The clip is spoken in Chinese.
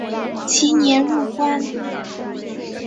其年入关。